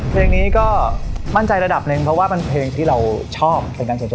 เพลงนี้ก็มั่นใจระดับหนึ่งเพราะว่าเป็นเพลงที่เราชอบเป็นการส่วนตัว